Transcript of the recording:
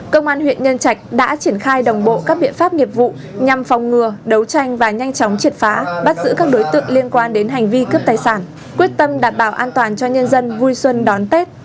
công an huyện nhân trạch đã triển khai đồng bộ các biện pháp nghiệp vụ nhằm phòng ngừa đấu tranh và nhanh chóng triệt phá bắt giữ các đối tượng liên quan đến hành vi cướp tài sản quyết tâm đảm bảo an toàn cho nhân dân vui xuân đón tết